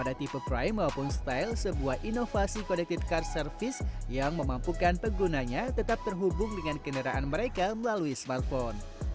di perprime maupun style sebuah inovasi connected car service yang memampukan penggunanya tetap terhubung dengan kendaraan mereka melalui smartphone